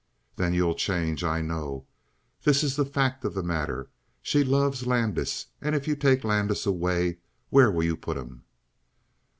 "Then you'll change, I know. This is the fact of the matter. She loves Landis. And if you take Landis away where will you put him?"